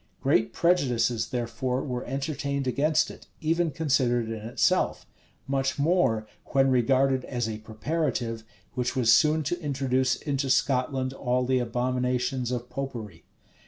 [] Great prejudices, therefore, were entertained against it, even considered in itself; much more when regarded as a preparative, which was soon to introduce into Scotland all the abominations of Popery.